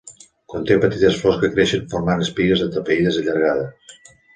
Conté petites flors que creixen formant espigues atapeïdes i allargades.